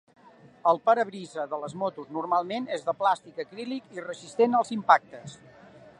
El parabrisa de les motos normalment és de plàstic acrílic i resistent als impactes.